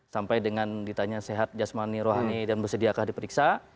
sampai dengan ditanya sehat jasmani rohani dan bersediakah diperiksa